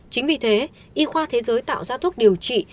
chính vì thế y khoa thế giới tạo ra thuốc điều trị